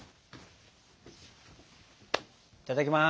いただきます。